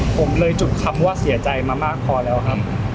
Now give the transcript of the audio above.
ผมเลยจุดคำว่าเสียใจมามากพอแล้วครับ